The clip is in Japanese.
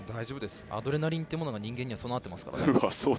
アドレナリンってものが人間には備わってますからね。